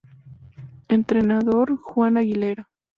Entrenador: Juan Aguilera